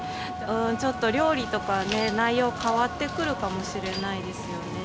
ちょっと料理とかね、内容変わってくるかもしれないですよね。